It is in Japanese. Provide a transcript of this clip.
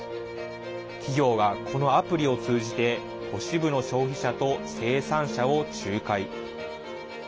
企業が、このアプリを通じて都市部の消費者と生産者を仲介。